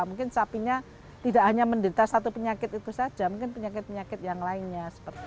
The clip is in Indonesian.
mungkin sapinya tidak hanya menderita satu penyakit itu saja mungkin penyakit penyakit yang lainnya